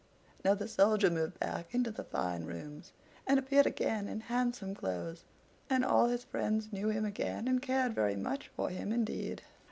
Now the Soldier moved back into the fine rooms, and appeared again in handsome clothes; and all his friends knew him again, and cared very much for him indeed.